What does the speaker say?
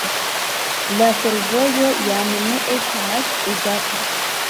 La fervojo jam ne estas uzata.